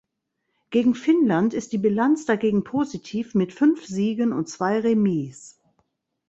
Gegen Finnland ist die Bilanz dagegen positiv mit fünf Siegen und zwei Remis.